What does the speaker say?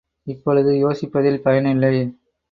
இப்பொழுது யோசிப்பதில் பயனில்லை.